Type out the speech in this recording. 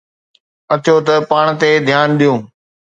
اچو ته پاڻ تي ڌيان ڏيو.